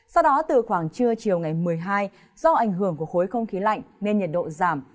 sau đó từ khoảng trưa chiều ngày một mươi hai do ảnh hưởng của khối không khí lạnh nên nhiệt độ giảm